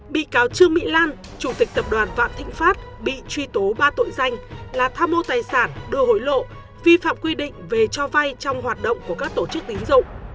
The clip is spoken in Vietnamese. bị cáo trương mỹ lan chủ tịch tập đoàn vạn thịnh pháp bị truy tố ba tội danh là tham mô tài sản đưa hối lộ vi phạm quy định về cho vay trong hoạt động của các tổ chức tín dụng